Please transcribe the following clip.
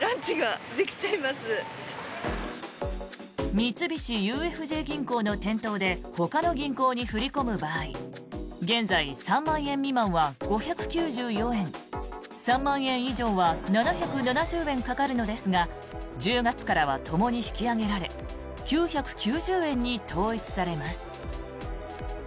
三菱ＵＦＪ銀行の店頭でほかの銀行に振り込む場合現在、３万円未満は５９４円３万円以上は７７０円かかるのですが１０月からはともに引き上げられ９９０円に統一されます。